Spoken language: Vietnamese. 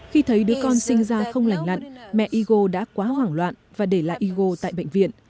khi thấy đứa con sinh ra không lành lặn mẹ igo đã quá hoảng loạn và để lại igo tại bệnh viện